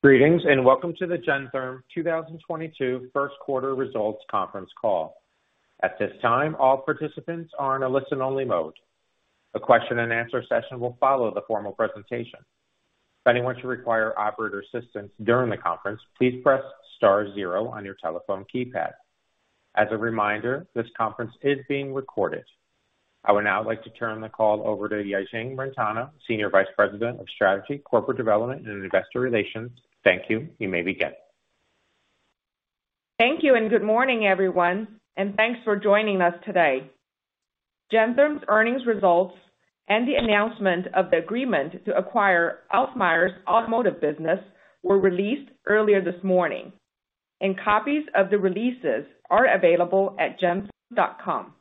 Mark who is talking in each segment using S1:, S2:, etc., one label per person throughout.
S1: Greetings, and welcome to the Gentherm 2022 first quarter results conference call. At this time, all participants are in a listen only mode. A question and answer session will follow the formal presentation. If anyone should require operator assistance during the conference, please press star zero on your telephone keypad. As a reminder, this conference is being recorded. I would now like to turn the call over to Yijing Brentano, Senior Vice President of Strategy, Corporate Development and Investor Relations. Thank you. You may begin.
S2: Thank you, and good morning, everyone, and thanks for joining us today. Gentherm's earnings results and the announcement of the agreement to acquire Alfmeier's Automotive business were released earlier this morning, and copies of the releases are available at gentherm.com.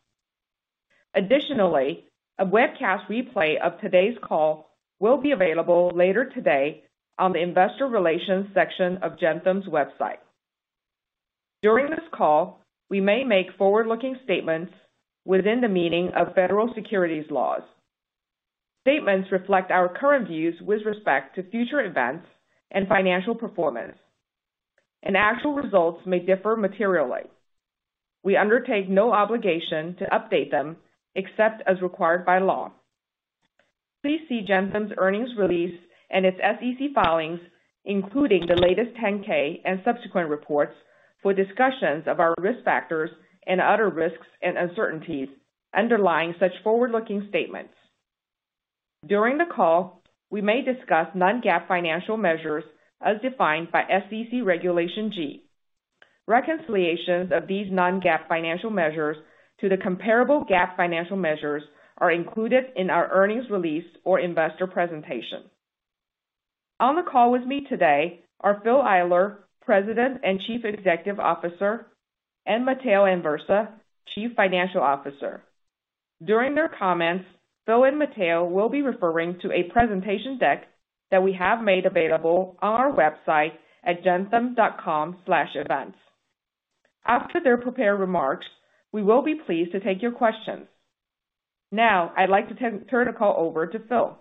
S2: Additionally, a webcast replay of today's call will be available later today on the investor relations section of Gentherm's website. During this call, we may make forward-looking statements within the meaning of Federal Securities laws. Statements reflect our current views with respect to future events and financial performance, and actual results may differ materially. We undertake no obligation to update them except as required by law. Please see Gentherm's earnings release and its SEC filings, including the latest 10-K and subsequent reports for discussions of our risk factors and other risks and uncertainties underlying such forward-looking statements. During the call, we may discuss non-GAAP financial measures as defined by SEC Regulation G. Reconciliations of these non-GAAP financial measures to the comparable GAAP financial measures are included in our earnings release or investor presentation. On the call with me today are Phil Eyler, President and Chief Executive Officer, and Matteo Anversa, Chief Financial Officer. During their comments, Phil and Matteo will be referring to a presentation deck that we have made available on our website at gentherm.com/events. After their prepared remarks, we will be pleased to take your questions. Now I'd like to turn the call over to Phil.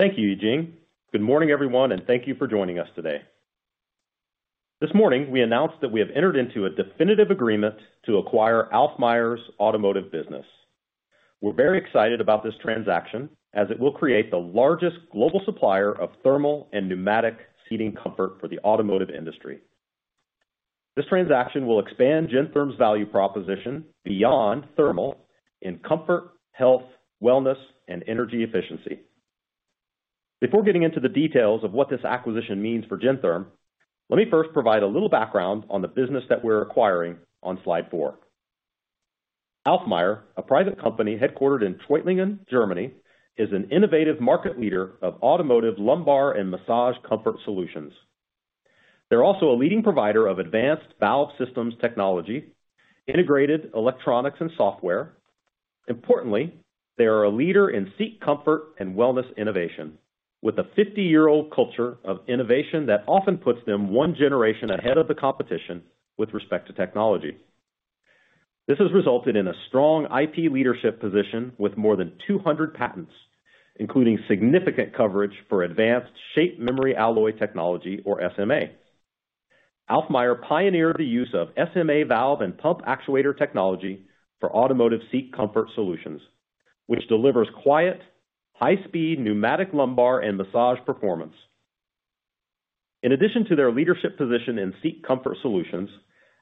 S3: Thank you, Yijing. Good morning, everyone, and thank you for joining us today. This morning, we announced that we have entered into a definitive agreement to acquire Alfmeier's Automotive business. We're very excited about this transaction as it will create the largest global supplier of thermal and pneumatic seating comfort for the automotive industry. This transaction will expand Gentherm's value proposition beyond thermal in comfort, health, wellness, and energy efficiency. Before getting into the details of what this acquisition means for Gentherm, let me first provide a little background on the business that we're acquiring on slide four. Alfmeier, a private company headquartered in Treuchtlingen, Germany, is an innovative market leader of automotive lumbar and massage comfort solutions. They're also a leading provider of advanced valve systems technology, integrated electronics and software. Importantly, they are a leader in seat comfort and wellness innovation, with a 50-year-old culture of innovation that often puts them one generation ahead of the competition with respect to technology. This has resulted in a strong IP leadership position with more than 200 patents, including significant coverage for advanced shape memory alloy technology, or SMA. Alfmeier pioneered the use of SMA valve and pump actuator technology for automotive seat comfort solutions, which delivers quiet, high speed pneumatic lumbar and massage performance. In addition to their leadership position in seat comfort solutions,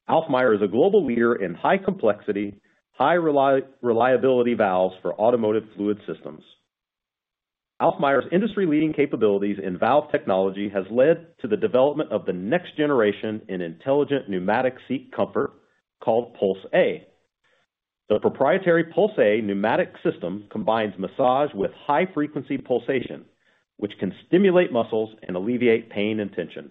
S3: Alfmeier is a global leader in high complexity, high reliability valves for automotive fluid systems. Alfmeier's industry-leading capabilities in valve technology has led to the development of the next generation in intelligent pneumatic seat comfort called Puls.A. The proprietary Puls.A pneumatic system combines massage with high frequency pulsation, which can stimulate muscles and alleviate pain and tension.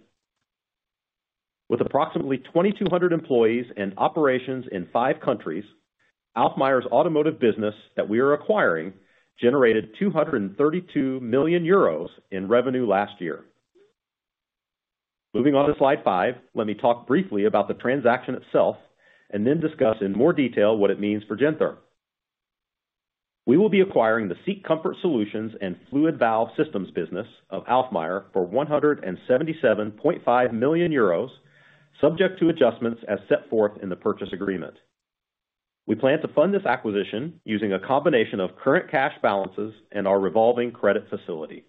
S3: With approximately 2,200 employees and operations in five countries, Alfmeier's automotive business that we are acquiring generated 232 million euros in revenue last year. Moving on to slide 5, let me talk briefly about the transaction itself and then discuss in more detail what it means for Gentherm. We will be acquiring the seat comfort solutions and fluid valve systems business of Alfmeier for 177.5 million euros, subject to adjustments as set forth in the purchase agreement. We plan to fund this acquisition using a combination of current cash balances and our revolving credit facility.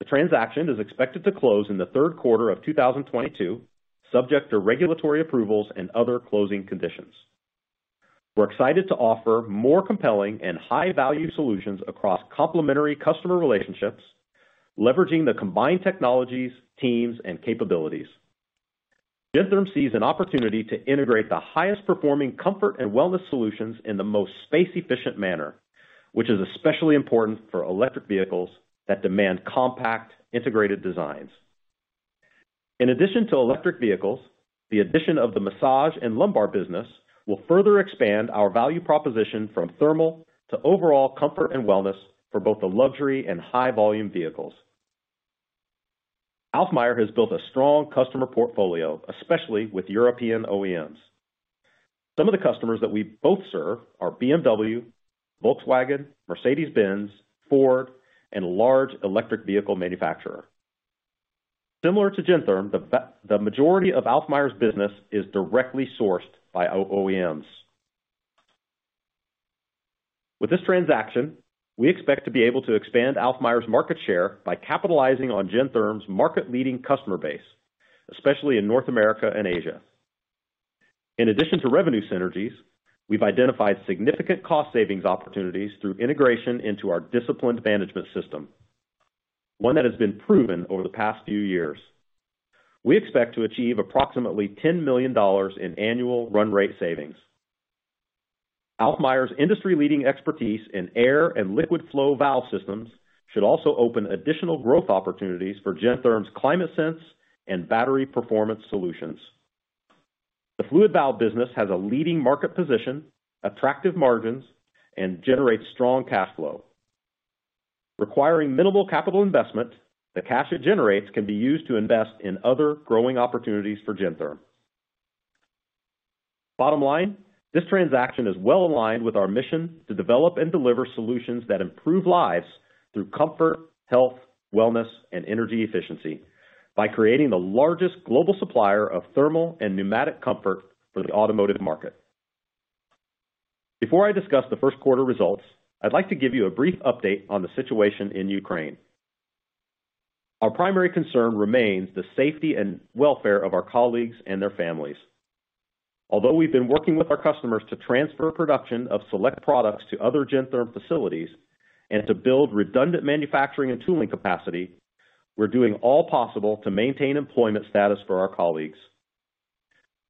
S3: The transaction is expected to close in the third quarter of 2022, subject to regulatory approvals and other closing conditions. We're excited to offer more compelling and high-value solutions across complementary customer relationships, leveraging the combined technologies, teams, and capabilities. Gentherm sees an opportunity to integrate the highest performing comfort and wellness solutions in the most space efficient manner, which is especially important for electric vehicles that demand compact, integrated designs. In addition to electric vehicles, the addition of the massage and lumbar business will further expand our value proposition from thermal to overall comfort and wellness for both the luxury and high volume vehicles. Alfmeier has built a strong customer portfolio, especially with European OEMs. Some of the customers that we both serve are BMW, Volkswagen, Mercedes-Benz, Ford, and a large electric vehicle manufacturer. Similar to Gentherm, the majority of Alfmeier's business is directly sourced by OEMs. With this transaction, we expect to be able to expand Alfmeier's market share by capitalizing on Gentherm's market-leading customer base, especially in North America and Asia. In addition to revenue synergies, we've identified significant cost savings opportunities through integration into our disciplined management system, one that has been proven over the past few years. We expect to achieve approximately $10 million in annual run rate savings. Alfmeier's industry-leading expertise in air and liquid flow valve systems should also open additional growth opportunities for Gentherm's ClimateSense and Battery Performance Solutions. The fluid valve business has a leading market position, attractive margins, and generates strong cash flow. Requiring minimal capital investment, the cash it generates can be used to invest in other growing opportunities for Gentherm. Bottom line, this transaction is well aligned with our mission to develop and deliver solutions that improve lives through comfort, health, wellness, and energy efficiency by creating the largest global supplier of thermal and pneumatic comfort for the automotive market. Before I discuss the first quarter results, I'd like to give you a brief update on the situation in Ukraine. Our primary concern remains the safety and welfare of our colleagues and their families. Although we've been working with our customers to transfer production of select products to other Gentherm facilities and to build redundant manufacturing and tooling capacity, we're doing all possible to maintain employment status for our colleagues.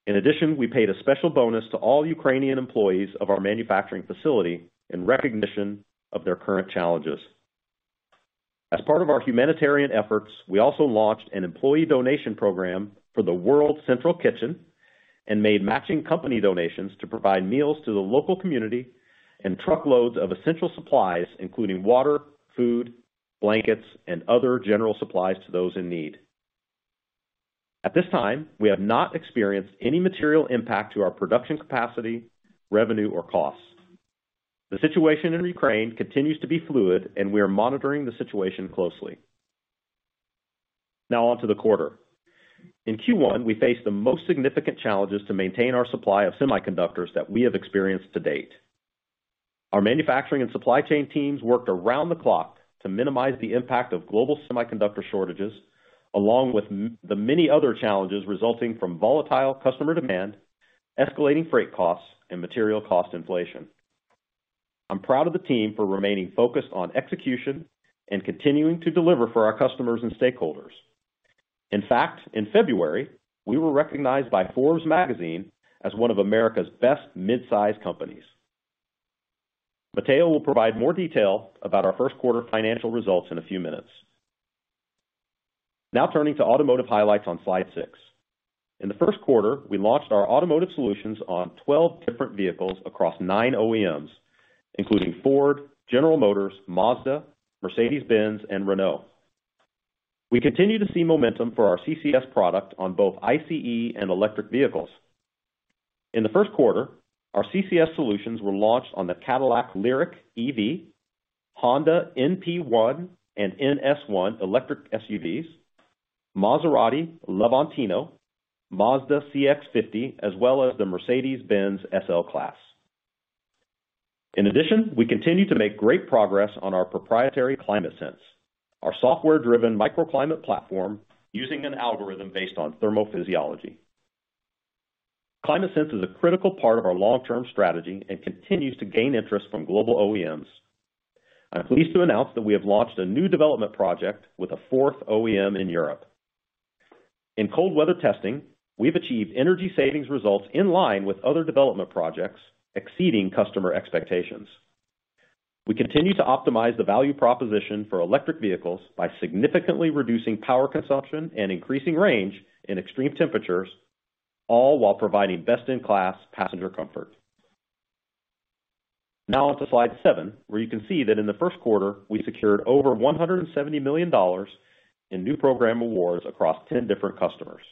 S3: In addition, we paid a special bonus to all Ukrainian employees of our manufacturing facility in recognition of their current challenges. As part of our humanitarian efforts, we also launched an employee donation program for the World Central Kitchen and made matching company donations to provide meals to the local community and truckloads of essential supplies, including water, food, blankets, and other general supplies to those in need. At this time, we have not experienced any material impact to our production capacity, revenue, or costs. The situation in Ukraine continues to be fluid, and we are monitoring the situation closely. Now on to the quarter. In Q1, we faced the most significant challenges to maintain our supply of semiconductors that we have experienced to date. Our manufacturing and supply chain teams worked around the clock to minimize the impact of global semiconductor shortages, along with the many other challenges resulting from volatile customer demand, escalating freight costs, and material cost inflation. I'm proud of the team for remaining focused on execution and continuing to deliver for our customers and stakeholders. In fact, in February, we were recognized by Forbes as one of America's best mid-sized companies. Matteo will provide more detail about our first quarter financial results in a few minutes. Now turning to automotive highlights on slide 6. In the first quarter, we launched our automotive solutions on 12 different vehicles across 9 OEMs, including Ford, General Motors, Mazda, Mercedes-Benz, and Renault. We continue to see momentum for our CCS product on both ICE and electric vehicles. In the first quarter, our CCS solutions were launched on the Cadillac Lyriq EV, Honda e:NP1 and e:NS1 electric SUVs, Maserati Levante, Mazda CX-50, as well as the Mercedes-Benz SL-Class. In addition, we continue to make great progress on our proprietary ClimateSense, our software-driven microclimate platform using an algorithm based on thermophysiology. ClimateSense is a critical part of our long-term strategy and continues to gain interest from global OEMs. I'm pleased to announce that we have launched a new development project with a fourth OEM in Europe. In cold weather testing, we've achieved energy savings results in line with other development projects, exceeding customer expectations. We continue to optimize the value proposition for electric vehicles by significantly reducing power consumption and increasing range in extreme temperatures, all while providing best-in-class passenger comfort. Now on to slide seven, where you can see that in the first quarter, we secured over $170 million in new program awards across ten different customers.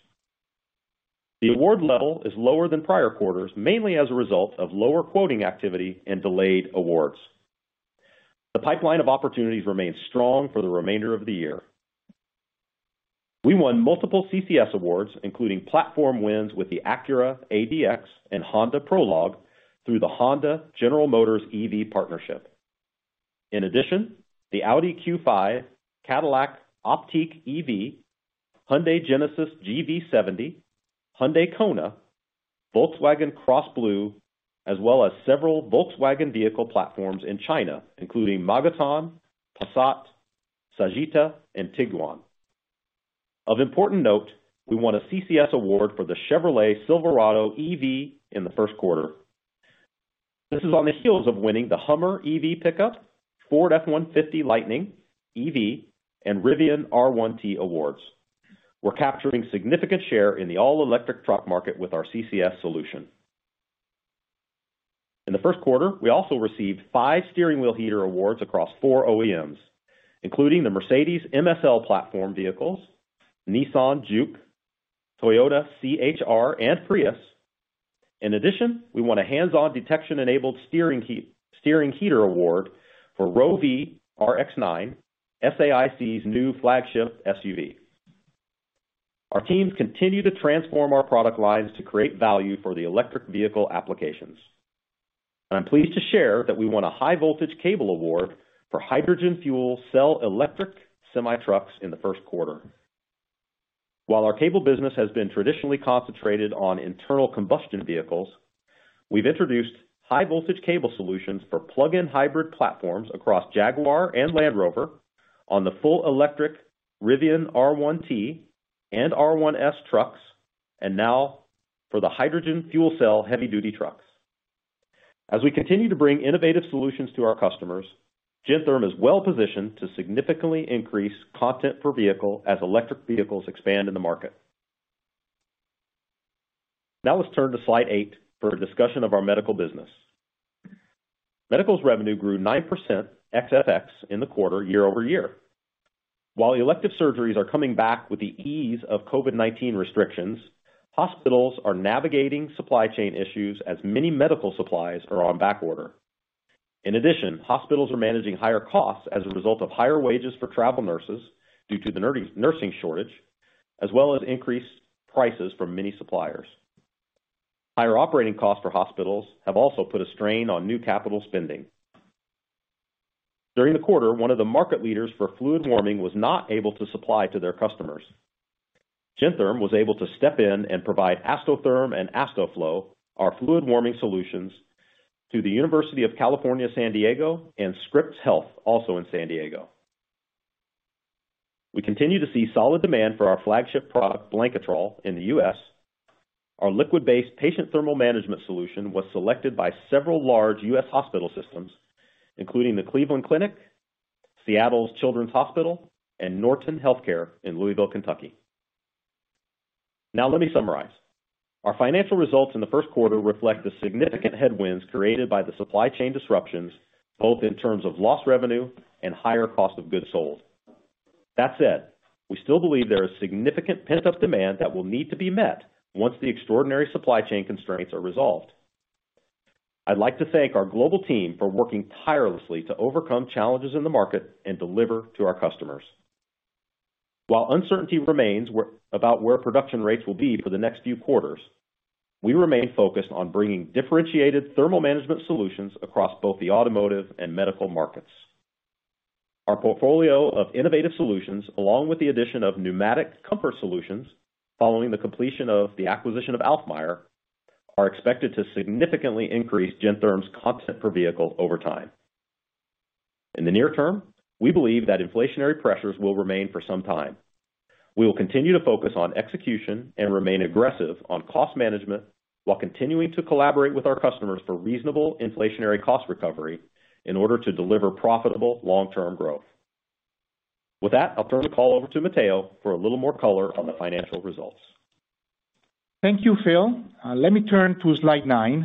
S3: The award level is lower than prior quarters, mainly as a result of lower quoting activity and delayed awards. The pipeline of opportunities remains strong for the remainder of the year. We won multiple CCS awards, including platform wins with the Acura ADX and Honda Prologue through the Honda General Motors EV partnership. In addition, the Audi Q5, Cadillac Optiq EV, Hyundai Genesis GV70, Hyundai Kona, Volkswagen CrossBlue, as well as several Volkswagen vehicle platforms in China, including Magotan, Passat, Sagitar, and Tiguan. Of important note, we won a CCS award for the Chevrolet Silverado EV in the first quarter. This is on the heels of winning the Hummer EV pickup, Ford F-150 Lightning EV, and Rivian R1T awards. We're capturing significant share in the all-electric truck market with our CCS solution. In the first quarter, we also received five steering wheel heater awards across four OEMs, including the Mercedes SL-Class platform vehicles, Nissan Juke, Toyota C-HR and Prius. In addition, we won a hands-on detection-enabled steering heater award for Roewe RX9, SAIC's new flagship SUV. Our teams continue to transform our product lines to create value for the electric vehicle applications. I'm pleased to share that we won a high voltage cable award for hydrogen fuel cell electric semi-trucks in the first quarter. While our cable business has been traditionally concentrated on internal combustion vehicles, we've introduced high voltage cable solutions for plug-in hybrid platforms across Jaguar and Land Rover on the full electric Rivian R1T and R1S trucks, and now for the hydrogen fuel cell heavy duty trucks. As we continue to bring innovative solutions to our customers, Gentherm is well-positioned to significantly increase content per vehicle as electric vehicles expand in the market. Now let's turn to slide 8 for a discussion of our medical business. Medical's revenue grew 9% ex-FX in the quarter year-over-year. While elective surgeries are coming back with the ease of COVID-19 restrictions, hospitals are navigating supply chain issues as many medical supplies are on backorder. In addition, hospitals are managing higher costs as a result of higher wages for travel nurses due to the nursing shortage, as well as increased prices from many suppliers. Higher operating costs for hospitals have also put a strain on new capital spending. During the quarter, one of the market leaders for fluid warming was not able to supply to their customers. Gentherm was able to step in and provide Astotherm and Astoflo, our fluid warming solutions, to the University of California San Diego and Scripps Health, also in San Diego. We continue to see solid demand for our flagship product, Blanketrol, in the US. Our liquid-based patient thermal management solution was selected by several large US hospital systems, including the Cleveland Clinic, Seattle Children's Hospital, and Norton Healthcare in Louisville, Kentucky. Now let me summarize. Our financial results in the first quarter reflect the significant headwinds created by the supply chain disruptions, both in terms of lost revenue and higher cost of goods sold. That said, we still believe there is significant pent-up demand that will need to be met once the extraordinary supply chain constraints are resolved. I'd like to thank our global team for working tirelessly to overcome challenges in the market and deliver to our customers. While uncertainty remains about where production rates will be for the next few quarters, we remain focused on bringing differentiated thermal management solutions across both the automotive and medical markets. Our portfolio of innovative solutions, along with the addition of pneumatic comfort solutions following the completion of the acquisition of Alfmeier, are expected to significantly increase Gentherm's content per vehicle over time. In the near term, we believe that inflationary pressures will remain for some time. We will continue to focus on execution and remain aggressive on cost management, while continuing to collaborate with our customers for reasonable inflationary cost recovery in order to deliver profitable long-term growth. With that, I'll turn the call over to Matteo for a little more color on the financial results.
S4: Thank you, Phil. Let me turn to slide nine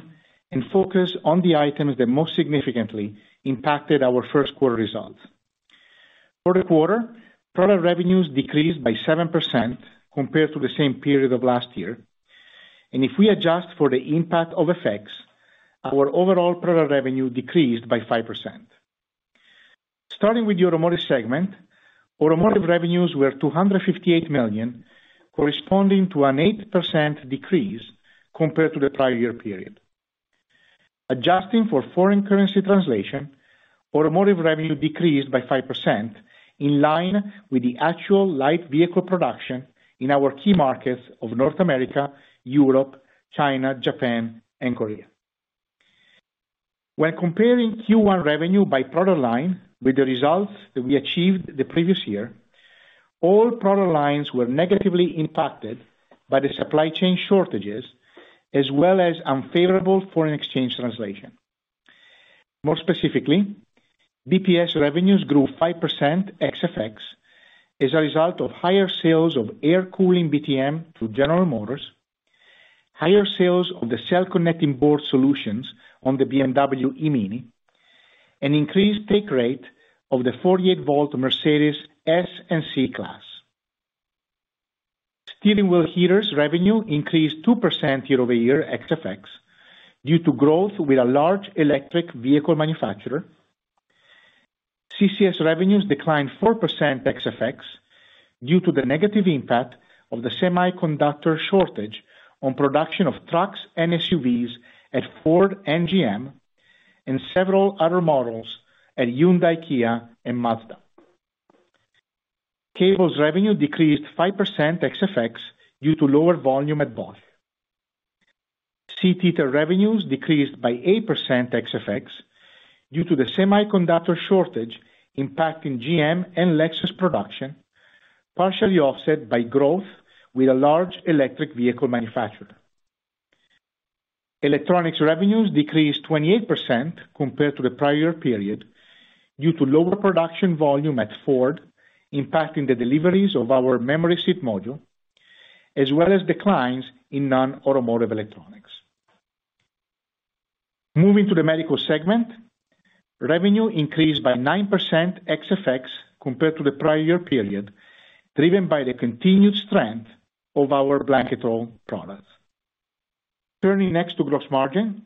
S4: and focus on the items that most significantly impacted our first quarter results. For the quarter, product revenues decreased by 7% compared to the same period of last year. If we adjust for the impact of FX, our overall product revenue decreased by 5%. Starting with the automotive segment, automotive revenues were $258 million, corresponding to an 8% decrease compared to the prior year period. Adjusting for foreign currency translation, automotive revenue decreased by 5%, in line with the actual light vehicle production in our key markets of North America, Europe, China, Japan, and Korea. When comparing Q1 revenue by product line with the results that we achieved the previous year, all product lines were negatively impacted by the supply chain shortages as well as unfavorable foreign exchange translation. More specifically, BPS revenues grew 5% ex-FX as a result of higher sales of air cooling BTM through General Motors, higher sales of the cell connecting board solutions on the BMW i MINI, an increased take rate of the 48-volt Mercedes S-Class and C-Class. Steering wheel heaters revenue increased 2% year-over-year ex-FX due to growth with a large electric vehicle manufacturer. CCS revenues declined 4% ex-FX due to the negative impact of the semiconductor shortage on production of trucks and SUVs at Ford and GM and several other models at Hyundai Kia and Mazda. Cables revenue decreased 5% ex-FX due to lower volume at both. Seat heater revenues decreased by 8% ex-FX due to the semiconductor shortage impacting GM and Lexus production, partially offset by growth with a large electric vehicle manufacturer. Electronics revenues decreased 28% compared to the prior period due to lower production volume at Ford, impacting the deliveries of our memory seat module. As well as declines in non-automotive electronics. Moving to the medical segment, revenue increased by 9% ex-FX compared to the prior year period, driven by the continued strength of our Blanketrol products. Turning next to gross margin.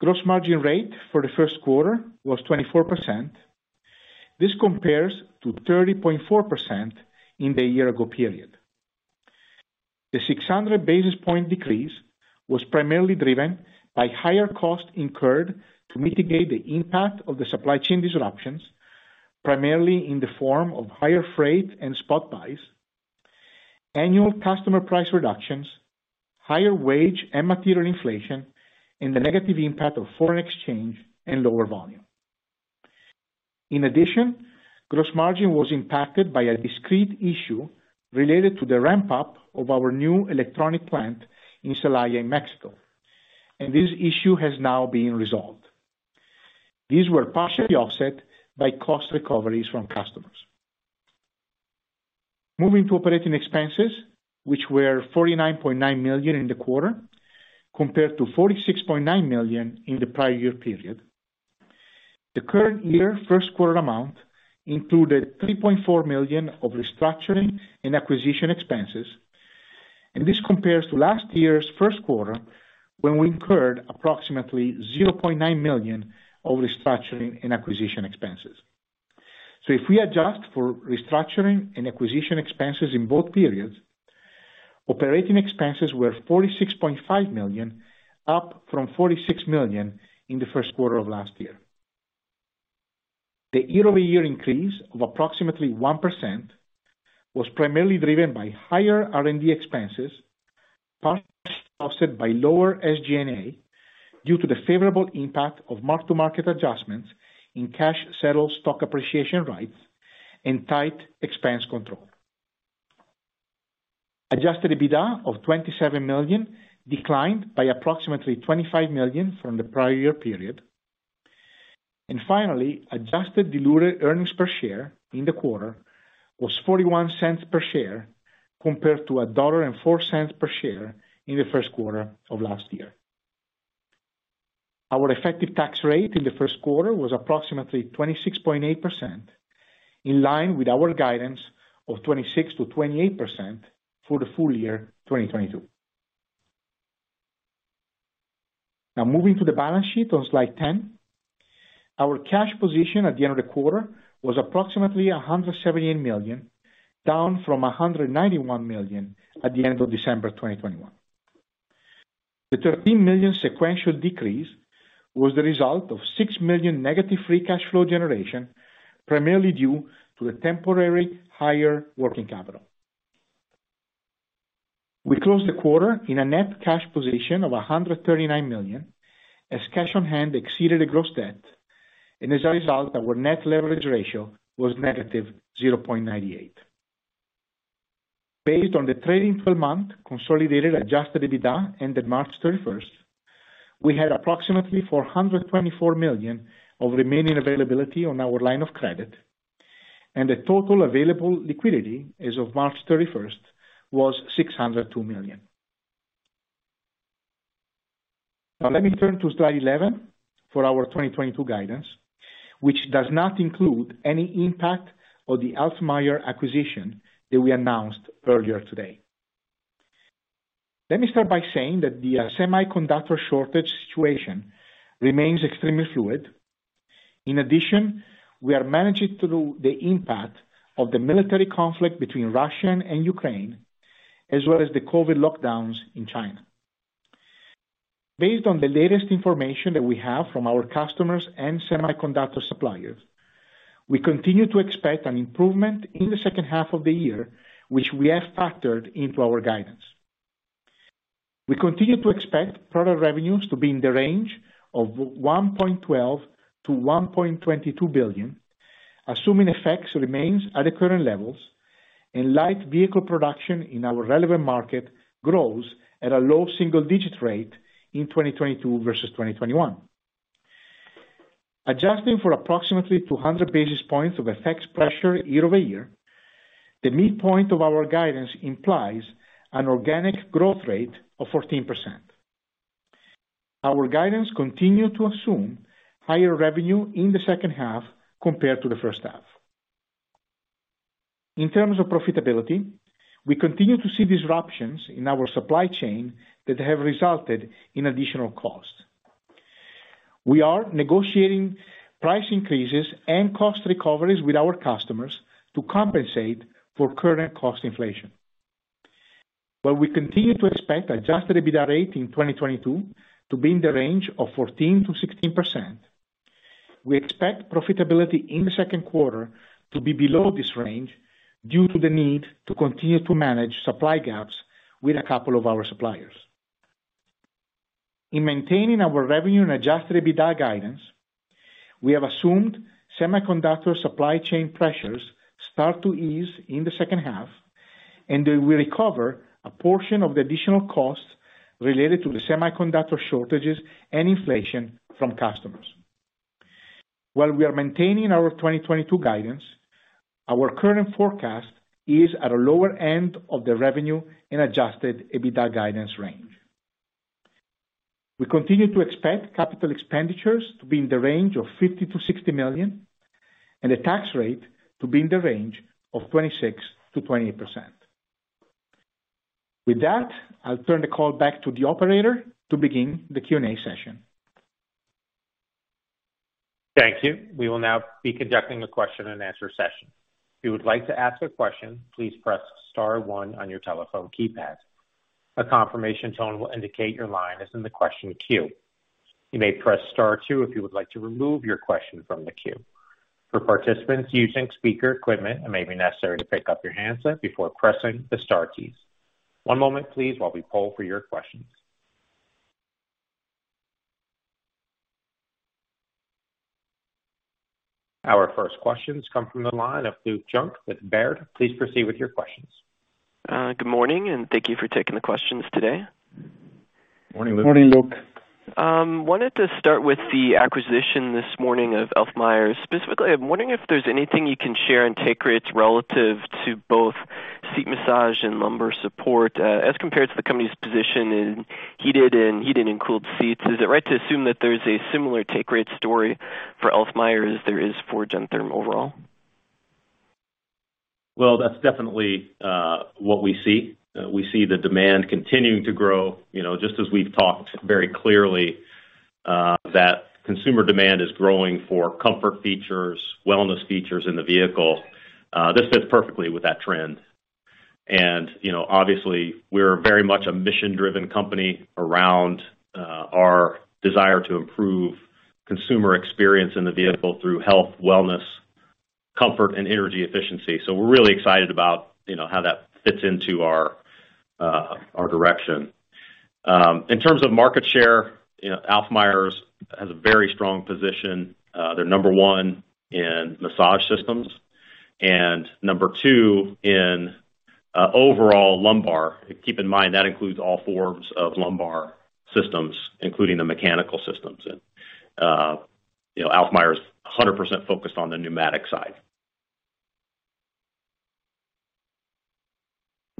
S4: Gross margin rate for the first quarter was 24%. This compares to 30.4% in the year ago period. The 600 basis points decrease was primarily driven by higher costs incurred to mitigate the impact of the supply chain disruptions, primarily in the form of higher freight and spot buys, annual customer price reductions, higher wage and material inflation, and the negative impact of foreign exchange and lower volume. In addition, gross margin was impacted by a discrete issue related to the ramp-up of our new electronic plant in Celaya, Mexico, and this issue has now been resolved. These were partially offset by cost recoveries from customers. Moving to operating expenses, which were $49.9 million in the quarter, compared to $46.9 million in the prior year period. The current year first quarter amount included $3.4 million of restructuring and acquisition expenses, and this compares to last year's first quarter when we incurred approximately $0.9 million of restructuring and acquisition expenses. If we adjust for restructuring and acquisition expenses in both periods, operating expenses were $46.5 million, up from $46 million in the first quarter of last year. The year-over-year increase of approximately 1% was primarily driven by higher R&D expenses, partially offset by lower SG&A due to the favorable impact of mark-to-market adjustments in cash settle stock appreciation rights and tight expense control. Adjusted EBITDA of $27 million declined by approximately $25 million from the prior year period. Finally, adjusted diluted earnings per share in the quarter was $0.41 per share compared to $1.04 per share in the first quarter of last year. Our effective tax rate in the first quarter was approximately 26.8%, in line with our guidance of 26%-28% for the full year 2022. Now moving to the balance sheet on slide 10. Our cash position at the end of the quarter was approximately $117 million, down from $191 million at the end of December 2021. The $13 million sequential decrease was the result of $6 million negative free cash flow generation, primarily due to a temporary higher working capital. We closed the quarter in a net cash position of $139 million, as cash on hand exceeded the gross debt. As a result, our net leverage ratio was negative 0.98. Based on the trailing 12-month consolidated adjusted EBITDA ended March 31, we had approximately $424 million of remaining availability on our line of credit, and the total available liquidity as of March 31 was $602 million. Now let me turn to slide 11 for our 2022 guidance, which does not include any impact of the Alfmeier acquisition that we announced earlier today. Let me start by saying that the semiconductor shortage situation remains extremely fluid. In addition, we are managing through the impact of the military conflict between Russia and Ukraine, as well as the COVID lockdowns in China. Based on the latest information that we have from our customers and semiconductor suppliers, we continue to expect an improvement in the second half of the year, which we have factored into our guidance. We continue to expect product revenues to be in the range of $1.12 billion-$1.22 billion, assuming FX remains at the current levels and light vehicle production in our relevant market grows at a low single-digit rate in 2022 versus 2021. Adjusting for approximately 200 basis points of FX pressure year-over-year, the midpoint of our guidance implies an organic growth rate of 14%. Our guidance continue to assume higher revenue in the second half compared to the first half. In terms of profitability, we continue to see disruptions in our supply chain that have resulted in additional costs. We are negotiating price increases and cost recoveries with our customers to compensate for current cost inflation. While we continue to expect adjusted EBITDA rate in 2022 to be in the range of 14%-16%, we expect profitability in the second quarter to be below this range due to the need to continue to manage supply gaps with a couple of our suppliers. In maintaining our revenue and adjusted EBITDA guidance, we have assumed semiconductor supply chain pressures start to ease in the second half, and that we recover a portion of the additional costs related to the semiconductor shortages and inflation from customers. While we are maintaining our 2022 guidance, our current forecast is at a lower end of the revenue and adjusted EBITDA guidance range. We continue to expect capital expenditures to be in the range of $50 million-$60 million and the tax rate to be in the range of 26%-28%. With that, I'll turn the call back to the operator to begin the Q&A session.
S1: Thank you. We will now be conducting a question and answer session. If you would like to ask a question, please press star one on your telephone keypad. A confirmation tone will indicate your line is in the question queue. You may press star two if you would like to remove your question from the queue. For participants using speaker equipment, it may be necessary to pick up your handset before pressing the star keys. One moment please, while we poll for your questions. Our first questions come from the line of Luke Junk with Baird. Please proceed with your questions.
S5: Good morning, and thank you for taking the questions today.
S3: Morning, Luke. Morning, Luke.
S5: Wanted to start with the acquisition this morning of Alfmeier. Specifically, I'm wondering if there's anything you can share in take rates relative to both seat massage and lumbar support, as compared to the company's position in heated and cooled seats. Is it right to assume that there's a similar take rate story for Alfmeier as there is for Gentherm overall?
S3: Well, that's definitely what we see. We see the demand continuing to grow, you know, just as we've talked very clearly that consumer demand is growing for comfort features, wellness features in the vehicle. This fits perfectly with that trend. You know, obviously we're very much a mission-driven company around our desire to improve consumer experience in the vehicle through health, wellness, comfort, and energy efficiency. We're really excited about, you know, how that fits into our direction. In terms of market share, you know, Alfmeier's has a very strong position. They're number one in massage systems and number two in overall lumbar. Keep in mind that includes all forms of lumbar systems, including the mechanical systems. You know, Alfmeier is 100% focused on the pneumatic side.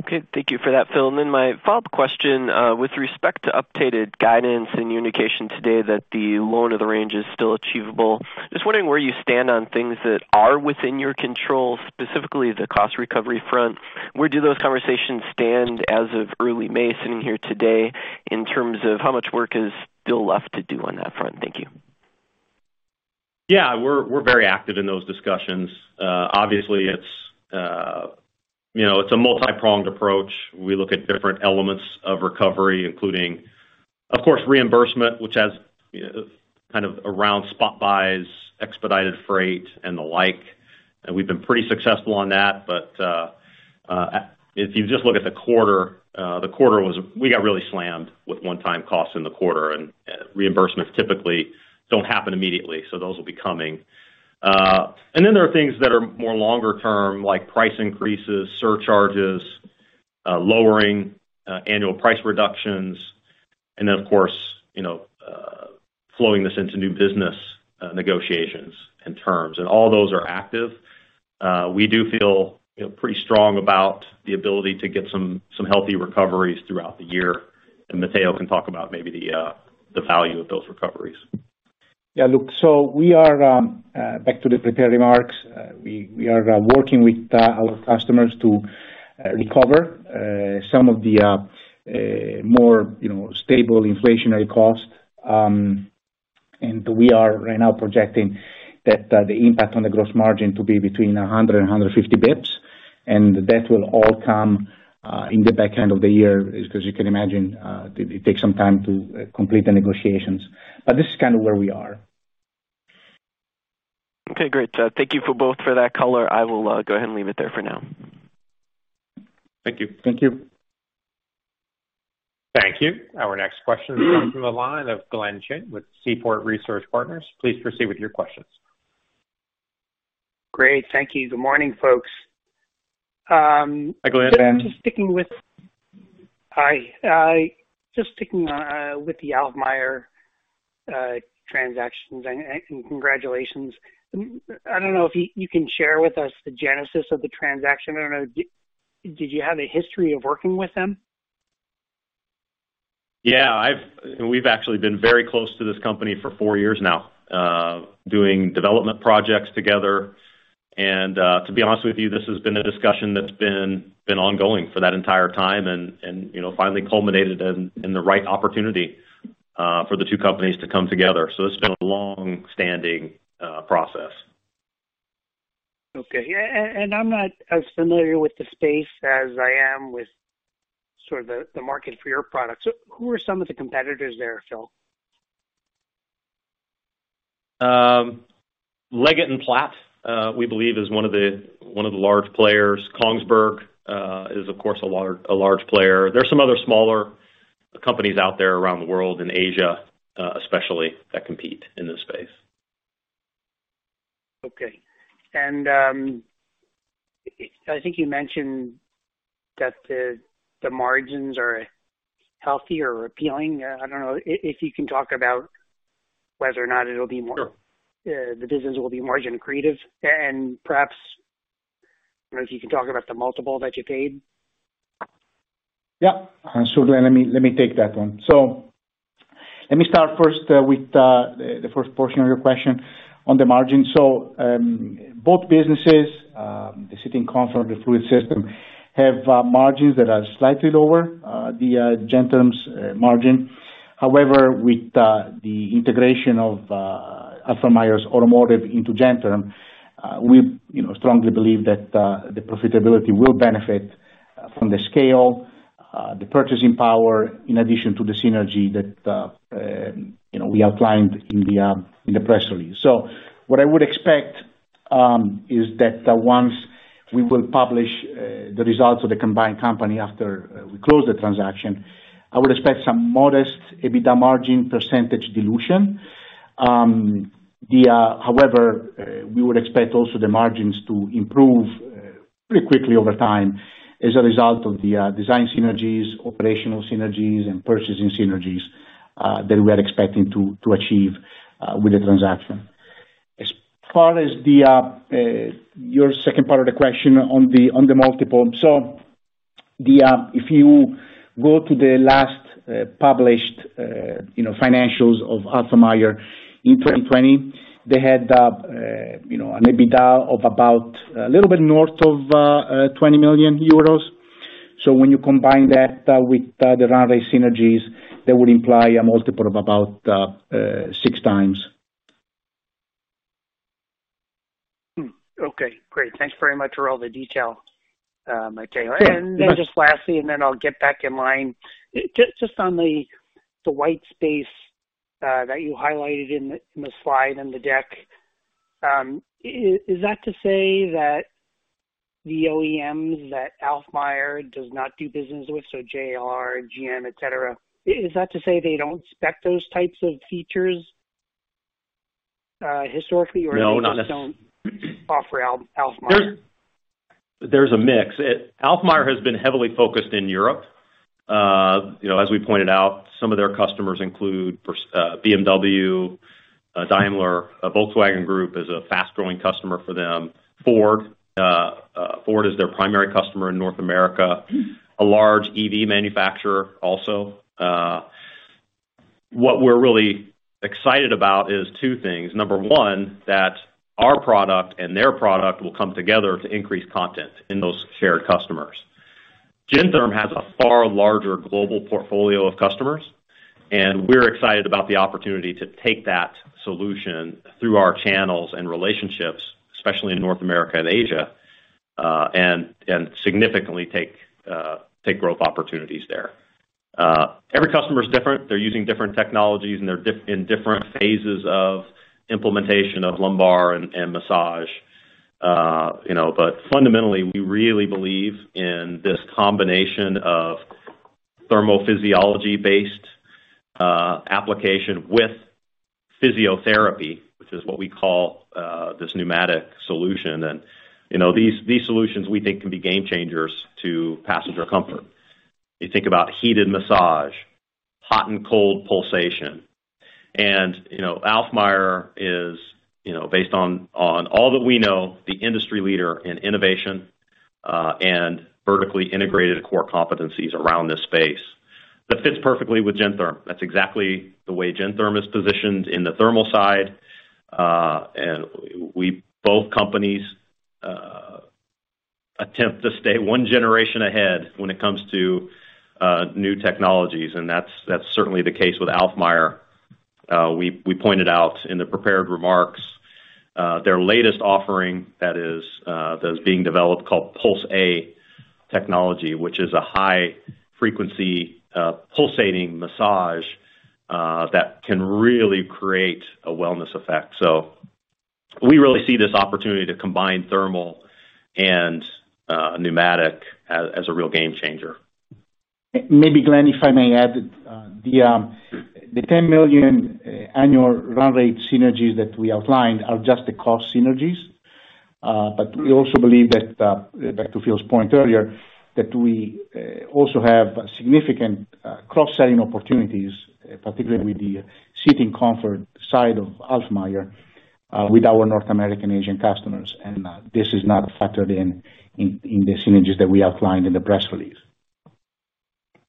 S5: Okay. Thank you for that, Phil. My follow-up question, with respect to updated guidance and your communication today that the lower end of the range is still achievable. Just wondering where you stand on things that are within your control, specifically the cost recovery front. Where do those conversations stand as of early May, sitting here today, in terms of how much work is still left to do on that front? Thank you.
S3: Yeah. We're very active in those discussions. Obviously it's you know it's a multi-pronged approach. We look at different elements of recovery, including, of course, reimbursement, which has you know kind of around spot buys, expedited freight and the like. We've been pretty successful on that. If you just look at the quarter, we got really slammed with one-time costs in the quarter, and reimbursements typically don't happen immediately, so those will be coming. Then there are things that are more longer term, like price increases, surcharges, lowering annual price reductions, and then of course you know flowing this into new business negotiations and terms. All those are active. We do feel you know pretty strong about the ability to get some healthy recoveries throughout the year. Matteo can talk about maybe the value of those recoveries.
S4: Yeah. Look, we are back to the prepared remarks. We are working with our customers to recover some of the more, you know, stable inflationary costs. We are right now projecting that the impact on the gross margin to be between 100 and 150 basis points. That will all come in the back end of the year as you can imagine, it takes some time to complete the negotiations. This is kind of where we are.
S5: Okay, great. Thank you for both for that color. I will go ahead and leave it there for now.
S3: Thank you.
S4: Thank you.
S1: Thank you. Our next question comes from the line of Glenn Chin with Seaport Research Partners. Please proceed with your questions.
S6: Great. Thank you. Good morning, folks.
S3: Hi, Glenn.
S6: Just sticking with the Alfmeier transactions, and congratulations. I don't know if you can share with us the genesis of the transaction. I don't know, did you have a history of working with them?
S3: Yeah. We've actually been very close to this company for four years now, doing development projects together. To be honest with you, this has been a discussion that's been ongoing for that entire time and, you know, finally culminated in the right opportunity for the two companies to come together. It's been a long-standing process.
S6: Okay. I'm not as familiar with the space as I am with sort of the market for your products. Who are some of the competitors there, Phil?
S3: Leggett & Platt, we believe is one of the large players. Kongsberg is of course a large player. There's some other smaller companies out there around the world, in Asia, especially, that compete in this space.
S6: Okay. I think you mentioned that the margins are healthy or appealing. I don't know if you can talk about whether or not it'll be more
S4: Sure.
S6: The business will be margin accretive and perhaps, you know, if you can talk about the multiple that you paid.
S4: Yeah. Glenn, let me take that one. Let me start first with the first portion of your question on the margin. Both businesses, the seating comfort, the fluid system, have margins that are slightly lower than Gentherm's margin. However, with the integration of Alfmeier's automotive into Gentherm, we strongly believe that the profitability will benefit from the scale, the purchasing power, in addition to the synergy that you know we outlined in the press release. What I would expect is that once we will publish the results of the combined company after we close the transaction, I would expect some modest EBITDA margin percentage dilution. However, we would expect also the margins to improve pretty quickly over time as a result of the design synergies, operational synergies and purchasing synergies that we're expecting to achieve with the transaction. As far as your second part of the question on the multiple. If you go to the last published you know financials of Alfmeier in 2020, they had you know an EBITDA of about a little bit north of 20 million euros. When you combine that with the run rate synergies, that would imply a multiple of about 6x.
S6: Okay, great. Thanks very much for all the detail, Matteo.
S4: Yeah.
S6: Just lastly, and then I'll get back in line. Just on the white space that you highlighted in the slide in the deck. Is that to say that the OEMs that Alfmeier does not do business with, so JLR, GM, et cetera, don't spec those types of features historically?
S4: No, not necessarily.
S6: They just don't offer Alfmeier?
S4: There's a mix. Alfmeier has been heavily focused in Europe. You know, as we pointed out, some of their customers include Ford, BMW, Daimler. Volkswagen Group is a fast-growing customer for them. Ford is their primary customer in North America. A large EV manufacturer also. What we're really excited about is two things. Number one, that our product and their product will come together to increase content in those shared customers. Gentherm has a far larger global portfolio of customers, and we're excited about the opportunity to take that solution through our channels and relationships, especially in North America and Asia, and significantly take growth opportunities there. Every customer is different. They're using different technologies and they're in different phases of implementation of lumbar and massage. You know, fundamentally, we really believe in this combination of thermal physiology based application with physiotherapy, which is what we call this pneumatic solution. You know, these solutions we think can be game changers to passenger comfort. You think about heated massage, hot and cold pulsation. You know, Alfmeier is, you know, based on all that we know, the industry leader in innovation and vertically integrated core competencies around this space. That fits perfectly with Gentherm. That's exactly the way Gentherm is positioned in the thermal side. We both companies attempt to stay one generation ahead when it comes to new technologies, and that's certainly the case with Alfmeier. We pointed out in the prepared remarks their latest offering that is being developed called Puls.A technology, which is a high frequency pulsating massage that can really create a wellness effect. We really see this opportunity to combine thermal and pneumatic as a real game changer. Maybe, Glenn, if I may add, the $10 million annual run rate synergies that we outlined are just the cost synergies. We also believe that, back to Phil's point earlier, that we also have significant cross-selling opportunities, particularly with the seating comfort side of Alfmeier, with our North American, Asian customers. This is not factored in the synergies that we outlined in the press release.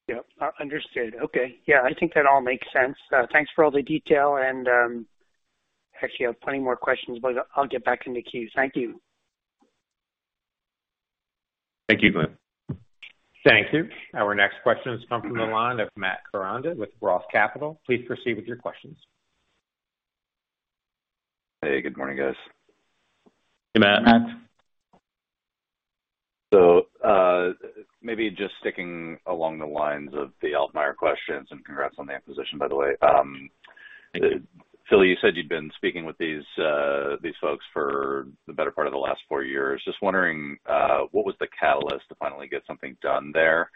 S6: Yep, understood. Okay. Yeah, I think that all makes sense. Thanks for all the detail and, actually I have plenty more questions, but I'll get back in the queue. Thank you.
S4: Thank you, Glenn.
S1: Thank you. Our next question has come from the line of Matt Koranda with Roth Capital. Please proceed with your questions.
S7: Hey, good morning, guys.
S4: Hey, Matt.
S6: Maybe just sticking along the lines of the Alfmeier questions and congrats on the acquisition, by the way.
S4: Thank you.
S6: Phil, you said you'd been speaking with these folks for the better part of the last four years. Just wondering, what was the catalyst to finally get something done there?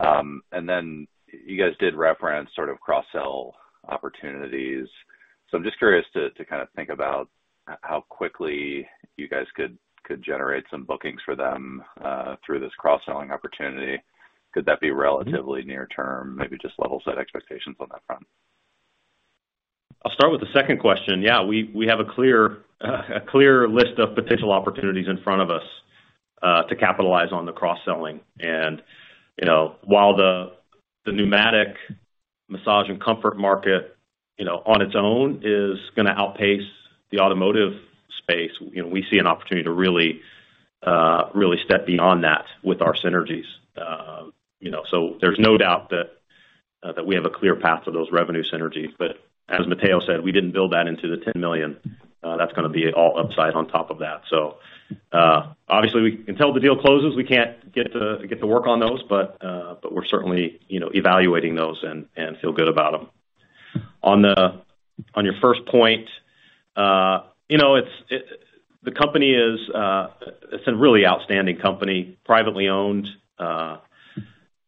S7: You guys did reference sort of cross-sell opportunities. I'm just curious to kind of think about how quickly you guys could generate some bookings for them through this cross-selling opportunity. Could that be relatively near term? Maybe just level set expectations on that front.
S3: I'll start with the second question. Yeah. We have a clear list of potential opportunities in front of us to capitalize on the cross-selling. You know, while the pneumatic massage and comfort market you know on its own is gonna outpace the automotive space, you know, we see an opportunity to really step beyond that with our synergies. You know, there's no doubt that we have a clear path to those revenue synergies. As Matteo said, we didn't build that into the $10 million. That's gonna be all upside on top of that. Obviously until the deal closes, we can't get to work on those. We're certainly you know evaluating those and feel good about them. On your first point, you know, it's it. The company is. It's a really outstanding company, privately owned.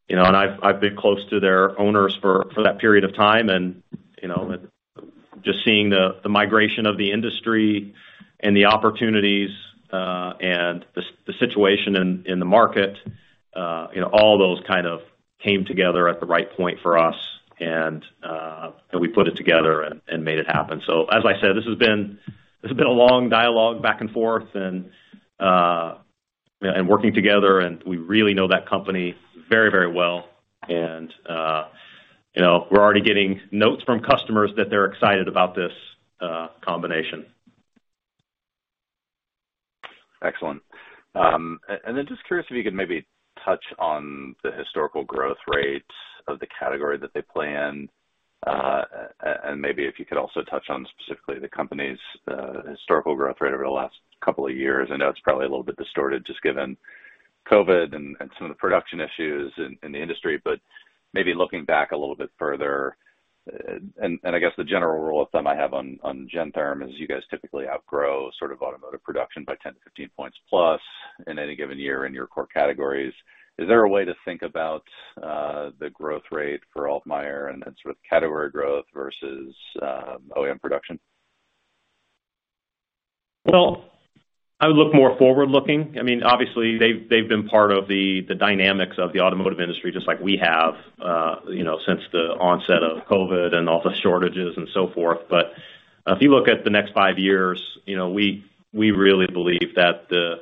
S3: You know, I've been close to their owners for that period of time and, you know, just seeing the migration of the industry and the opportunities, and the situation in the market, you know, all those kind of came together at the right point for us and we put it together and made it happen. As I said, this has been a long dialogue back and forth and working together, and we really know that company very, very well. You know, we're already getting notes from customers that they're excited about this combination.
S7: Excellent. Just curious if you could maybe touch on the historical growth rates of the category that they play in. Maybe if you could also touch on specifically the company's historical growth rate over the last couple of years. I know it's probably a little bit distorted just given COVID and some of the production issues in the industry, maybe looking back a little bit further, and I guess the general rule of thumb I have on Gentherm is you guys typically outgrow sort of automotive production by 10-15 points plus in any given year in your core categories. Is there a way to think about the growth rate for Alfmeier and then sort of category growth versus OEM production?
S3: Well, I would look more forward-looking. I mean, obviously, they've been part of the dynamics of the automotive industry, just like we have, you know, since the onset of COVID and all the shortages and so forth. If you look at the next five years, you know, we really believe that, you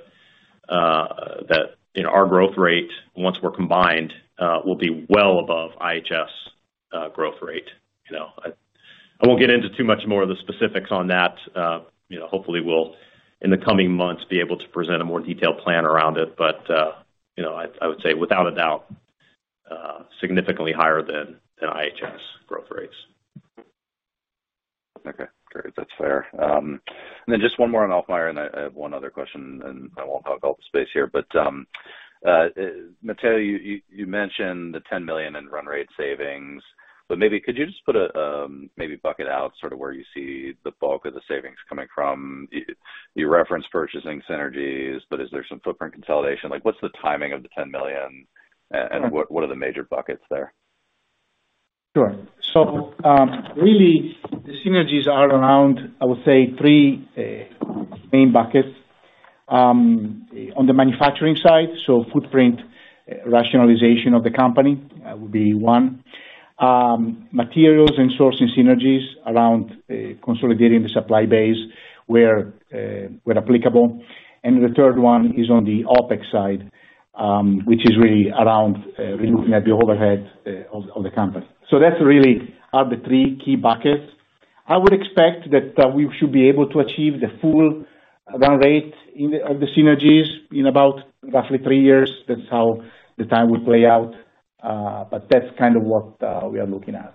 S3: know, our growth rate, once we're combined, will be well above IHS's growth rate. You know, I won't get into too much more of the specifics on that. You know, hopefully we'll in the coming months be able to present a more detailed plan around it. You know, I would say without a doubt, significantly higher than IHS growth rates.
S7: Okay. Great. That's fair. Just one more on Alfmeier, and I have one other question, and I won't hog all the space here. Matteo, you mentioned the $10 million in run rate savings, but maybe could you just put a maybe bucket out sort of where you see the bulk of the savings coming from? You referenced purchasing synergies, but is there some footprint consolidation? Like, what's the timing of the $10 million and what are the major buckets there?
S4: Sure. Really the synergies are around, I would say, three main buckets. On the manufacturing side, footprint rationalization of the company would be one. Materials and sourcing synergies around consolidating the supply base where applicable. The third one is on the OpEx side, which is really around looking at the overhead of the company. That's really are the three key buckets. I would expect that we should be able to achieve the full run rate of the synergies in about roughly three years. That's how the time will play out, but that's kind of what we are looking at.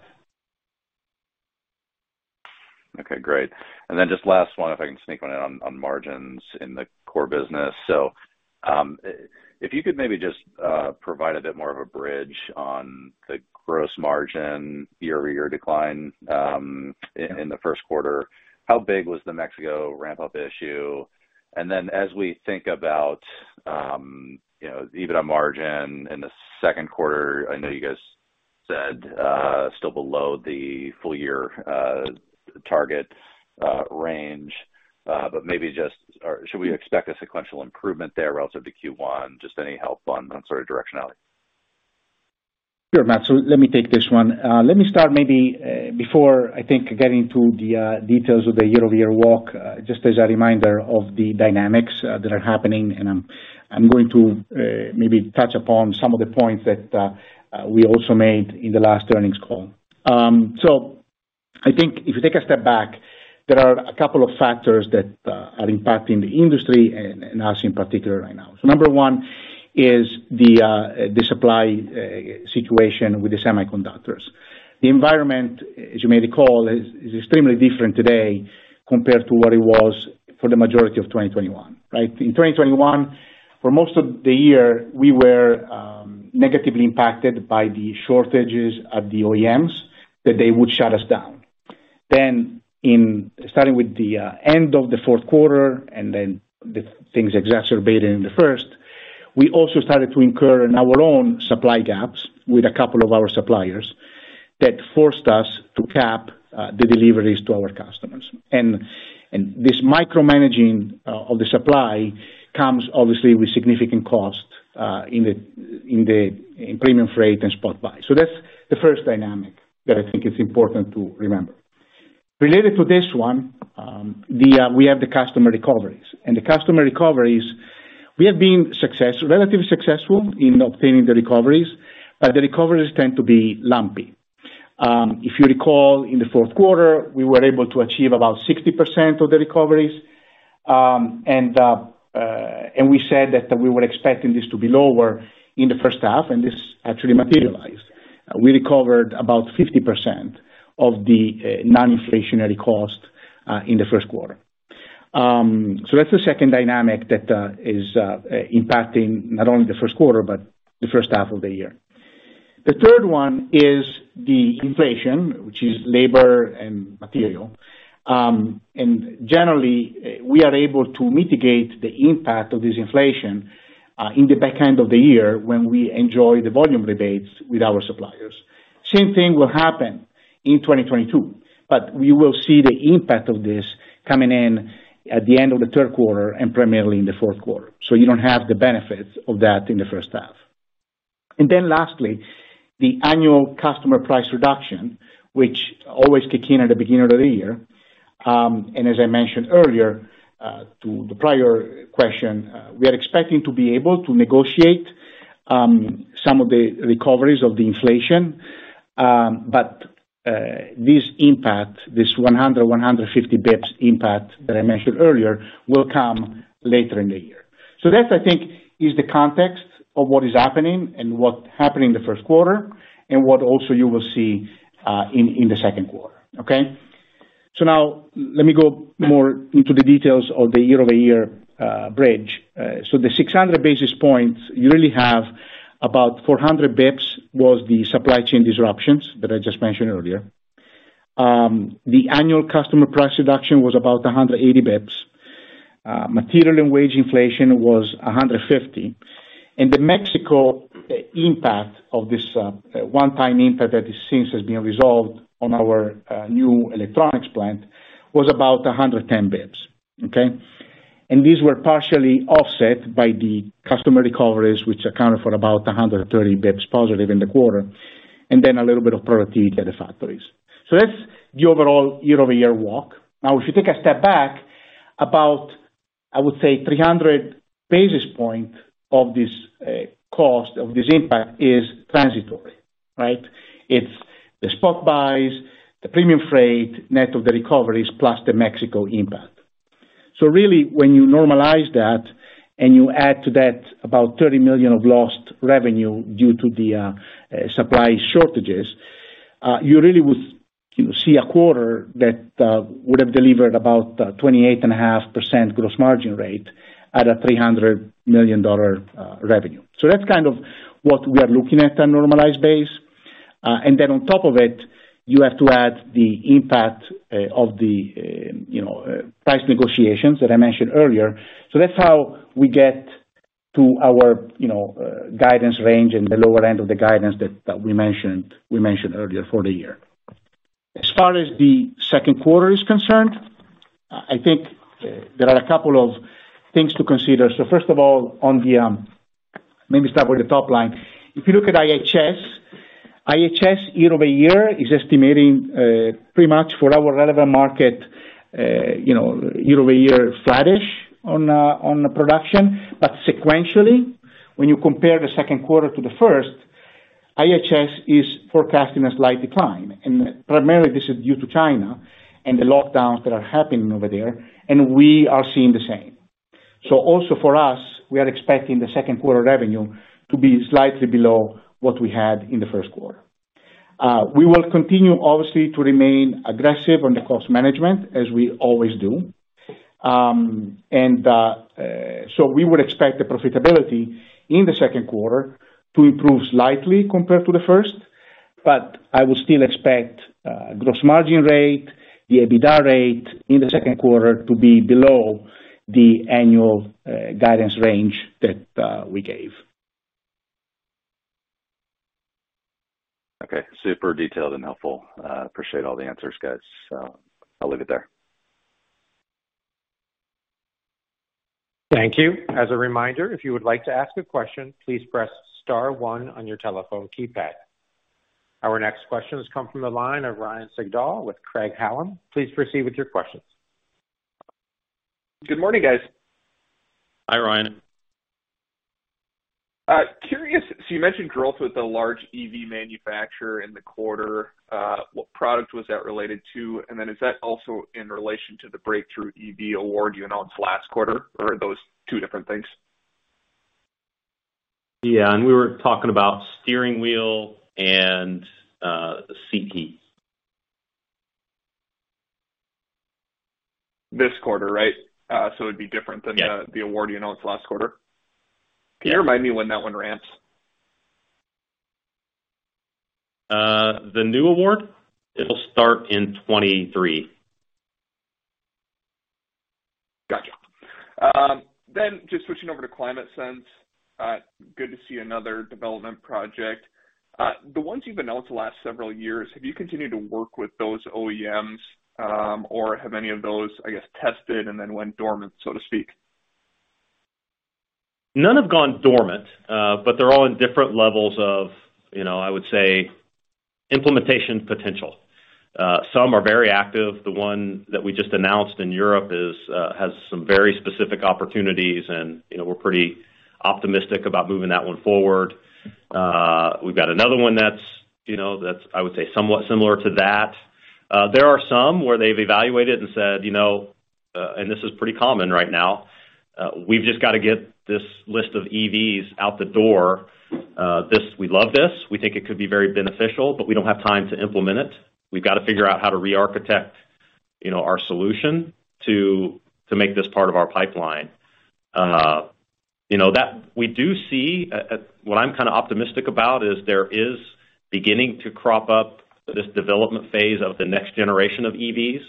S7: Okay, great. Then just last one, if I can sneak one in on margins in the core business. If you could maybe just provide a bit more of a bridge on the gross margin year-over-year decline in the first quarter. How big was the Mexico ramp-up issue? Then as we think about you know, EBITDA margin in the second quarter, I know you guys said still below the full year target range. But maybe just or should we expect a sequential improvement there relative to Q1? Just any help on sort of directionality.
S4: Sure, Matt. Let me take this one. Let me start maybe before getting to the details of the year-over-year walk, just as a reminder of the dynamics that are happening, and I'm going to maybe touch upon some of the points that we also made in the last earnings call. I think if you take a step back, there are a couple of factors that are impacting the industry and us in particular right now. Number one is the supply situation with the semiconductors. The environment, as you might recall, is extremely different today compared to what it was for the majority of 2021, right? In 2021, for most of the year, we were negatively impacted by the shortages at the OEMs, that they would shut us down. Starting with the end of the fourth quarter, the things exacerbated in the first, we also started to incur in our own supply gaps with a couple of our suppliers that forced us to cap the deliveries to our customers. This micromanaging of the supply comes obviously with significant cost in premium freight and spot buy. That's the first dynamic that I think is important to remember. Related to this one, we have the customer recoveries. The customer recoveries, we have been relatively successful in obtaining the recoveries, but the recoveries tend to be lumpy. If you recall, in the fourth quarter, we were able to achieve about 60% of the recoveries. We said that we were expecting this to be lower in the first half, and this actually materialized. We recovered about 50% of the non-inflationary cost in the first quarter. That's the second dynamic that is impacting not only the first quarter, but the first half of the year. The third one is the inflation, which is labor and material. Generally, we are able to mitigate the impact of this inflation in the back end of the year when we enjoy the volume rebates with our suppliers. Same thing will happen in 2022, but we will see the impact of this coming in at the end of the third quarter and primarily in the fourth quarter. You don't have the benefits of that in the first half. Then lastly, the annual customer price reduction, which always kick in at the beginning of the year. And as I mentioned earlier, to the prior question, we are expecting to be able to negotiate some of the recoveries of the inflation. But this impact, this 100, 150 BPS impact that I mentioned earlier, will come later in the year. That's, I think, is the context of what is happening and what happened in the first quarter, and what also you will see in the second quarter. Okay? Now let me go more into the details of the year-over-year bridge. The 600 basis points, you really have about 400 basis points was the supply chain disruptions that I just mentioned earlier. The annual customer price reduction was about 180 basis points. Material and wage inflation was 150. The Mexico impact of this one-time impact that it seems has been resolved on our new electronics plant was about 110 basis points. Okay. These were partially offset by the customer recoveries, which accounted for about 130 basis points positive in the quarter, and then a little bit of productivity at the factories. That's the overall year-over-year walk. Now, if you take a step back, about, I would say, 300 basis point of this cost, of this impact is transitory, right? It's the spot buys, the premium freight, net of the recoveries, plus the Mexico impact. Really, when you normalize that and you add to that about $30 million of lost revenue due to the supply shortages, you really would, you know, see a quarter that would have delivered about 28.5% gross margin rate at a $300 million revenue. That's kind of what we are looking at on normalized basis. And then on top of it, you have to add the impact of the, you know, price negotiations that I mentioned earlier. That's how we get to our, you know, guidance range and the lower end of the guidance that we mentioned earlier for the year. As far as the second quarter is concerned, I think there are a couple of things to consider. First of all, maybe start with the top line. If you look at IHS year-over-year is estimating pretty much for our relevant market, you know, year-over-year flattish on the production. Sequentially, when you compare the second quarter to the first, IHS is forecasting a slight decline, and primarily this is due to China and the lockdowns that are happening over there, and we are seeing the same. Also for us, we are expecting the second quarter revenue to be slightly below what we had in the first quarter. We will continue obviously to remain aggressive on the cost management as we always do. We would expect the profitability in the second quarter to improve slightly compared to the first, but I would still expect gross margin rate, the EBITDA rate in the second quarter to be below the annual guidance range that we gave.
S7: Okay, super detailed and helpful. Appreciate all the answers, guys. I'll leave it there.
S1: Thank you. As a reminder, if you would like to ask a question, please press star one on your telephone keypad. Our next question has come from the line of Ryan Sigdahl with Craig-Hallum. Please proceed with your questions.
S8: Good morning, guys.
S4: Hi, Ryan.
S8: Curious. So you mentioned growth with the large EV manufacturer in the quarter. What product was that related to? And then is that also in relation to the breakthrough EV award you announced last quarter, or are those two different things?
S4: Yeah. We were talking about steering wheel and the CCS.
S8: This quarter, right? It'd be different than.
S3: Yeah
S8: the award you announced last quarter.
S3: Yeah.
S8: Can you remind me when that one ramps?
S3: The new award? It'll start in 2023.
S8: Gotcha. Just switching over to ClimateSense. Good to see another development project. The ones you've announced the last several years, have you continued to work with those OEMs, or have any of those, I guess, tested and then went dormant, so to speak?
S3: None have gone dormant, but they're all in different levels of, you know, I would say, implementation potential. Some are very active. The one that we just announced in Europe has some very specific opportunities, and, you know, we're pretty optimistic about moving that one forward. We've got another one that's, you know, that's I would say, somewhat similar to that. There are some where they've evaluated and said, "You know, this is pretty common right now, we've just gotta get this list of EVs out the door. We love this. We think it could be very beneficial, but we don't have time to implement it. We've gotta figure out how to re-architect, you know, our solution to make this part of our pipeline." You know, that we do see. What I'm kinda optimistic about is there is beginning to crop up this development phase of the next generation of EVs,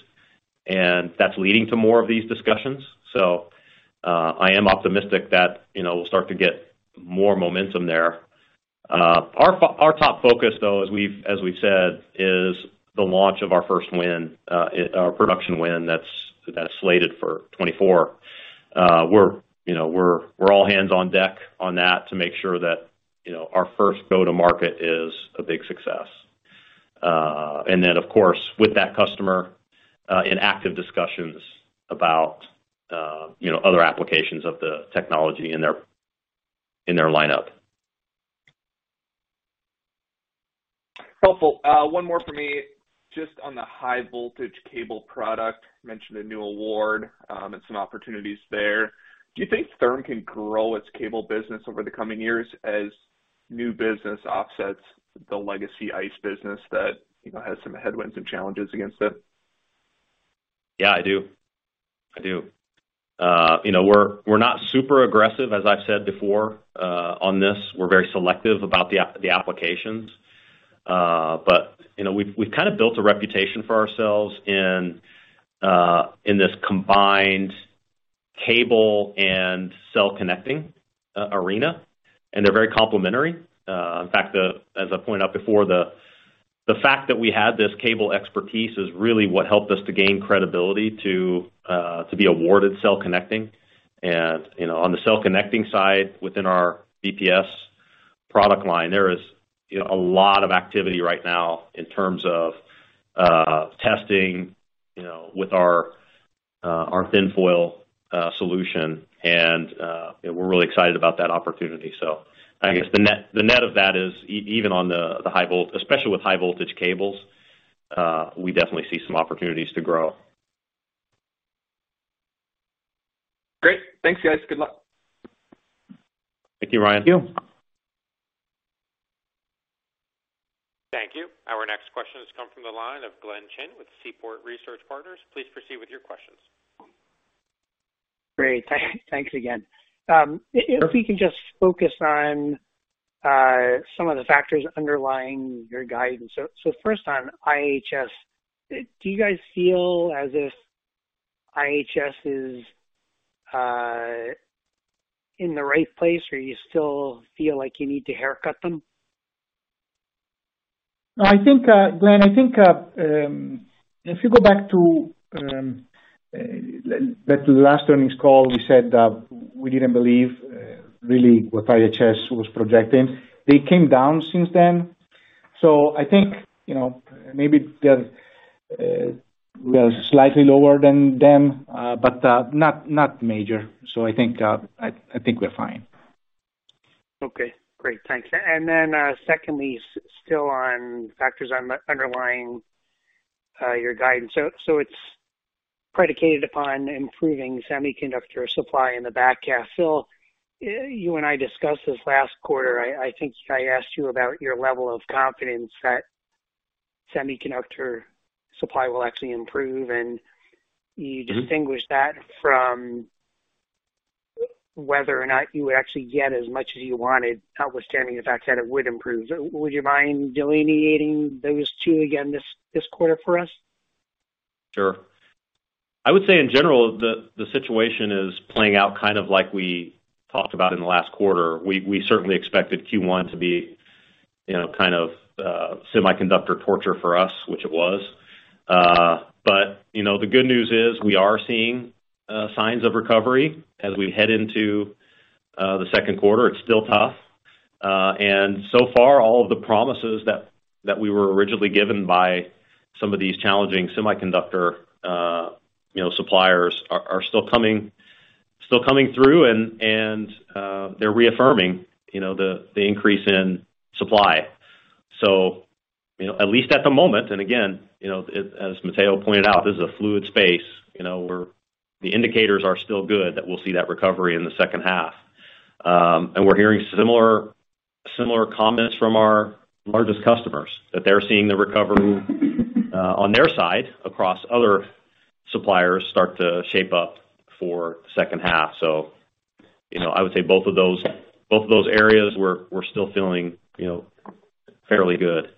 S3: and that's leading to more of these discussions. I am optimistic that, you know, we'll start to get more momentum there. Our top focus, though, as we've said, is the launch of our first win, or production win that's slated for 2024. We're, you know, all hands on deck on that to make sure that, you know, our first go to market is a big success. Of course, with that customer, in active discussions about, you know, other applications of the technology in their lineup.
S8: Helpful. One more for me, just on the high voltage cable product. You mentioned a new award, and some opportunities there. Do you think Gentherm can grow its cable business over the coming years as new business offsets the legacy ICE business that, you know, has some headwinds and challenges against it?
S3: Yeah, I do. You know, we're not super aggressive, as I've said before, on this. We're very selective about the applications. But, you know, we've kind of built a reputation for ourselves in this combined cable and cell connecting arena, and they're very complementary. In fact, as I pointed out before, the fact that we had this cable expertise is really what helped us to gain credibility to be awarded cell connecting. You know, on the cell connecting side within our BPS product line, there is a lot of activity right now in terms of testing with our thin foil solution, and you know, we're really excited about that opportunity. I guess the net of that is, especially with high voltage cables, we definitely see some opportunities to grow.
S8: Great. Thanks, guys. Good luck.
S3: Thank you, Ryan.
S4: Thank you.
S1: Thank you. Our next question has come from the line of Glenn Chin with Seaport Research Partners. Please proceed with your questions.
S6: Great. Thanks again. If we can just focus on some of the factors underlying your guidance. First on IHS, do you guys feel as if IHS is in the right place, or you still feel like you need to haircut them?
S4: I think, Glenn, if you go back to the last earnings call, we said that we didn't believe really what IHS was projecting. They came down since then. I think, you know, maybe we are slightly lower than them, but not major. I think we're fine.
S6: Okay. Great. Thanks. And then, secondly, still on the factors underlying your guidance. It's predicated upon improving semiconductor supply in the back half. Phil, you and I discussed this last quarter. I think I asked you about your level of confidence that semiconductor supply will actually improve, and you distinguished that from whether or not you would actually get as much as you wanted, notwithstanding the fact that it would improve. Would you mind delineating those two again this quarter for us?
S3: Sure. I would say in general, the situation is playing out kind of like we talked about in the last quarter. We certainly expected Q1 to be, you know, kind of, semiconductor shortage for us, which it was. You know, the good news is we are seeing signs of recovery as we head into the second quarter. It's still tough. So far, all of the promises that we were originally given by some of these challenging semiconductor, you know, suppliers are still coming through, and they're reaffirming the increase in supply. You know, at least at the moment, and again, you know, as Matteo pointed out, this is a fluid space. You know, the indicators are still good that we'll see that recovery in the second half. We're hearing similar comments from our largest customers that they're seeing the recovery on their side across other suppliers start to shape up for second half. You know, I would say both of those areas we're still feeling, you know, fairly good.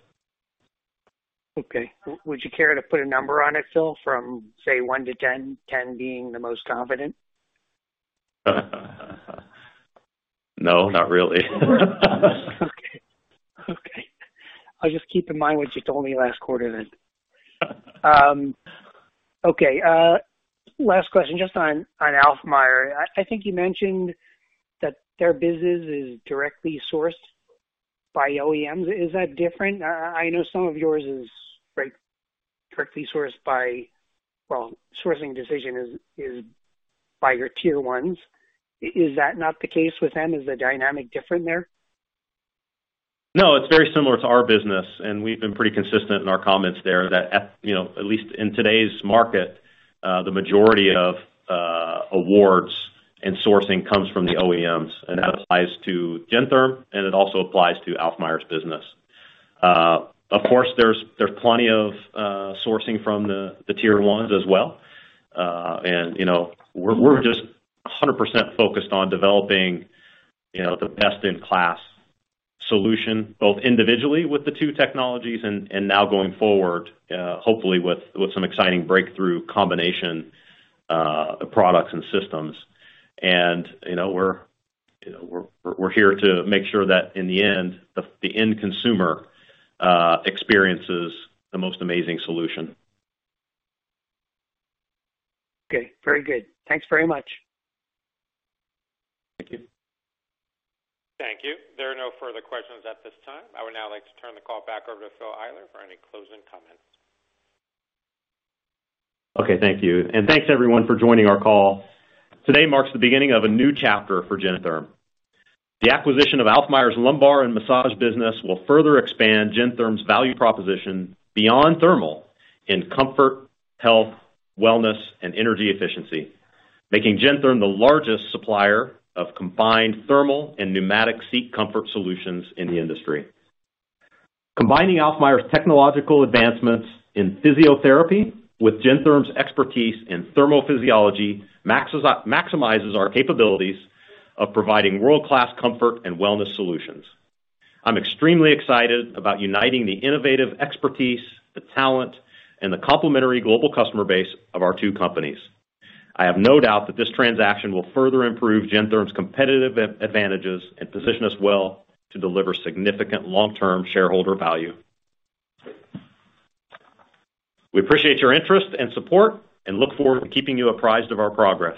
S6: Okay. Would you care to put a number on it, Phil, from, say, 1 to 10 being the most confident?
S3: No, not really.
S6: Okay. I'll just keep in mind what you told me last quarter then. Okay. Last question just on Alfmeier. I think you mentioned that their business is directly sourced by OEMs. Is that different? I know some of yours is very directly sourced. Well, sourcing decision is by your tier ones. Is that not the case with them? Is the dynamic different there?
S3: No, it's very similar to our business, and we've been pretty consistent in our comments there that, you know, at least in today's market, the majority of awards and sourcing comes from the OEMs, and that applies to Gentherm, and it also applies to Alfmeier's business. Of course, there's plenty of sourcing from the tier ones as well. You know, we're just 100% focused on developing, you know, the best in class solution, both individually with the two technologies and now going forward, hopefully with some exciting breakthrough combination products and systems. You know, we're here to make sure that in the end, the end consumer experiences the most amazing solution.
S6: Okay. Very good. Thanks very much.
S3: Thank you.
S1: Thank you. There are no further questions at this time. I would now like to turn the call back over to Phil Eyler for any closing comments.
S3: Okay. Thank you, and thanks, everyone for joining our call. Today marks the beginning of a new chapter for Gentherm. The acquisition of Alfmeier's lumbar and massage business will further expand Gentherm's value proposition beyond thermal in comfort, health, wellness, and energy efficiency, making Gentherm the largest supplier of combined thermal and pneumatic seat comfort solutions in the industry. Combining Alfmeier's technological advancements in physiotherapy with Gentherm's expertise in thermal physiology maximizes our capabilities of providing world-class comfort and wellness solutions. I'm extremely excited about uniting the innovative expertise, the talent, and the complementary global customer base of our two companies. I have no doubt that this transaction will further improve Gentherm's competitive advantages and position us well to deliver significant long-term shareholder value. We appreciate your interest and support and look forward to keeping you apprised of our progress.